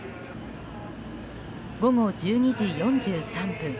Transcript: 午後１２時４３分